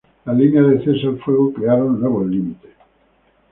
Las líneas del cese al fuego crearon nuevos límites.